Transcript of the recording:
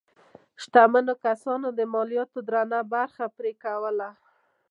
شتمنو کسانو د مالیاتو درنه برخه پرې کوله.